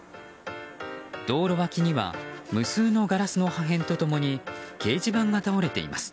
道路脇には無数のガラスの破片と共に掲示板が倒れています。